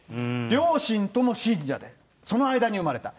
両親とも信者で、その間に生まれた。